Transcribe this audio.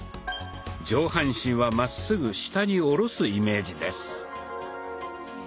上半身はまっすぐ下に下ろすイメージです。